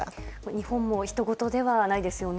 日本もひとごとではないですよね。